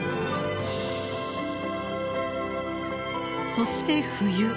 そして冬。